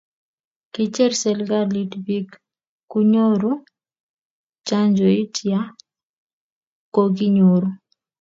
kicheer serikalit biik kunyoru chanjoit ya kokinyoru